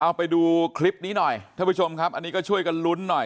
เอาไปดูคลิปนี้หน่อยท่านผู้ชมครับอันนี้ก็ช่วยกันลุ้นหน่อย